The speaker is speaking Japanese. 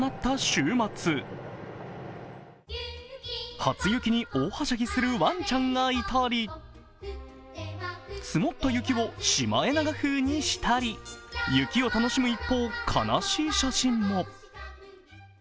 初雪に大はしゃぎするワンちゃんがいたり、積もった雪をシマエナガ風にしたり、雪を楽しむ一方、悲しい写真も。